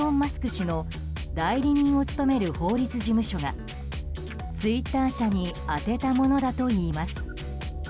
氏の代理人を務める法律事務所がツイッター社に宛てたものだといいます。